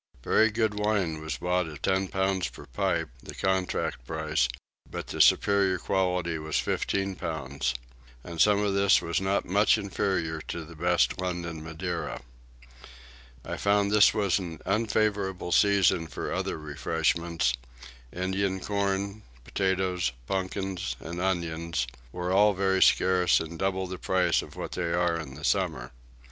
Very good wine was bought at ten pounds per pipe, the contract price; but the superior quality was fifteen pounds; and some of this was not much inferior to the best London Madeira. I found this was an unfavourable season for other refreshments: Indian corn, potatoes, pumpkins, and onions, were all very scarce and double the price of what they are in summer.